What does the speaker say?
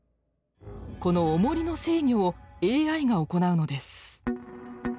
このおもりの制御をＡＩが行うのです。